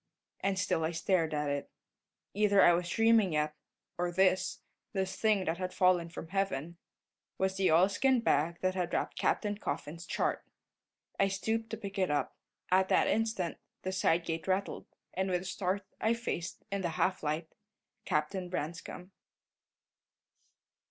And still I stared at it. Either I was dreaming yet, or this this thing that had fallen from heaven was the oilskin bag that had wrapped Captain Coffin's chart. I stooped to pick it up. At that instant the side gate rattled, and with a start I faced, in the half light Captain Branscome.